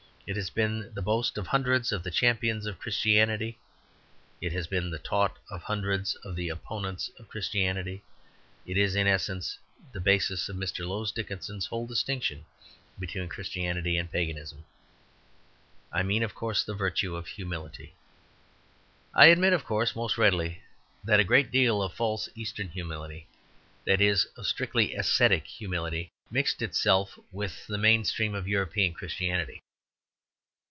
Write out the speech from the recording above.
It has been the boast of hundreds of the champions of Christianity. It has been the taunt of hundreds of the opponents of Christianity. It is, in essence, the basis of Mr. Lowes Dickinson's whole distinction between Christianity and Paganism. I mean, of course, the virtue of humility. I admit, of course, most readily, that a great deal of false Eastern humility (that is, of strictly ascetic humility) mixed itself with the main stream of European Christianity.